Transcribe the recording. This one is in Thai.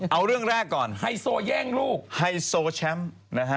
โปร่งรอพรุ่งนี้